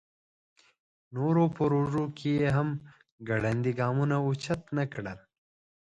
نورو پروژو کې یې هم ګړندي ګامونه اوچت نکړل.